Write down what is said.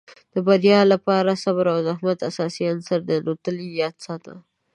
د بریا لپاره صبر او زحمت اساسي عناصر دي، نو تل یې یاد ساته.